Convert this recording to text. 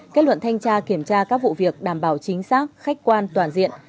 kết luận thanh tra kiểm tra các vụ việc đảm bảo chính xác khách quan toàn diện